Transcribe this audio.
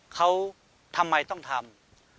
เขาทำไมต้องทำ